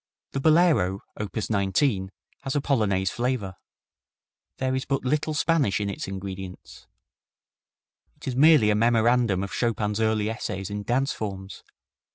The Bolero, op. 19, has a Polonaise flavor. There is but little Spanish in its ingredients. It is merely a memorandum of Chopin's early essays in dance forms.